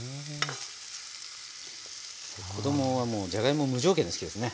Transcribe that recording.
子供はもうじゃがいも無条件で好きですね。